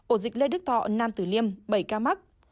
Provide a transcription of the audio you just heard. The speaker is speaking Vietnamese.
ổ dịch lê đức thọ nam tử liêm bảy ca mắc